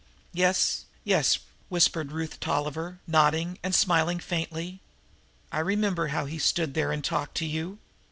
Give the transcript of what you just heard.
"Yes, yes," whispered Ruth Tolliver, nodding and smiling faintly. "I remember how he stood there and talked to you.